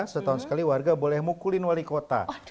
setahun sekali warga boleh mukulin wali kota